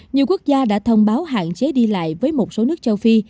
nhiều quốc gia đã thông báo hạn chế đi lại với một số nước châu phi